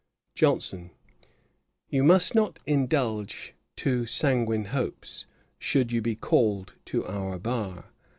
JOHNSON. 'You must not indulge too sanguine hopes, should you be called to our bar.